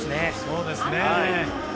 そうですね。